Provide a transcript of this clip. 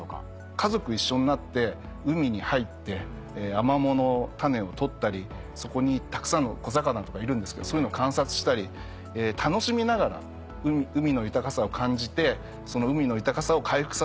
家族一緒になって海に入ってアマモの種を採ったりそこにたくさんの小魚とかいるんですけどそういうのを観察したり楽しみながら海の豊かさを感じてその海の豊かさを回復させる。